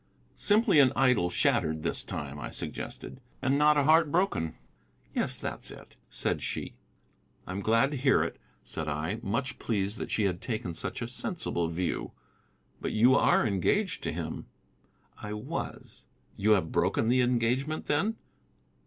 "Simply an idol shattered this time," I suggested, "and not a heart broken." "Yes, that's it," said she. "I am glad to hear it," said I, much pleased that she had taken such a sensible view. "But you are engaged to him." "I was." "You have broken the engagement, then?"